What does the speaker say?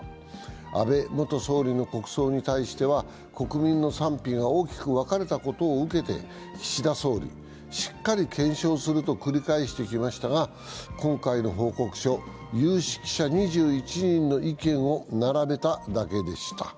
安倍元総理の国葬に対しては国民の賛否が大きく分かれたことを受けて岸田総理、しっかり検証すると繰り返してきましたが、今回の報告書、有識者２１人の意見を並べただけでした。